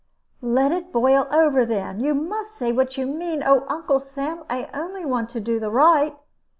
"Let it boil over, then. You must say what you mean. Oh, Uncle Sam, I only want to do the right!"